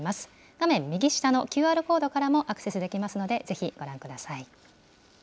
画面右下のＱＲコードからもアクセスできますので、ぜひご覧ください。